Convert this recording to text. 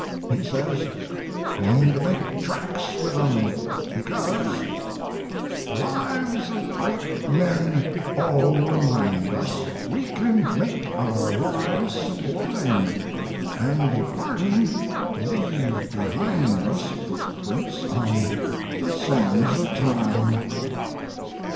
He says, 'Going to make tracks with 'em, because "'Lives of great men all remind us We can make our lives sublime; And, departing, leave behind us Footprints on the sands of time.'